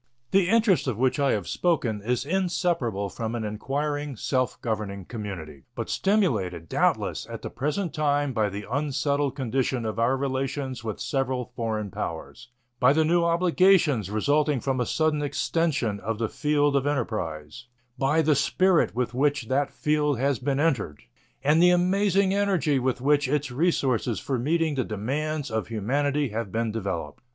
The interest of which I have spoken is inseparable from an inquiring, self governing community, but stimulated, doubtless, at the present time by the unsettled condition of our relations with several foreign powers, by the new obligations resulting from a sudden extension of the field of enterprise, by the spirit with which that field has been entered and the amazing energy with which its resources for meeting the demands of humanity have been developed.